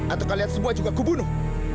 atau kalian semua juga kubunuh